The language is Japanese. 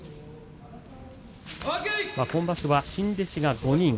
今場所は新弟子が５人。